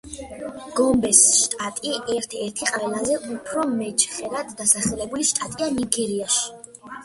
გომბეს შტატი ერთ-ერთი ყველაზე უფრო მეჩხერად დასახლებული შტატია ნიგერიაში.